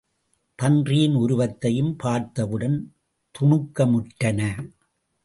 பன்றியின் உருவத்தையும் பார்த்தவுடன் துணுக்ககமுற்றன.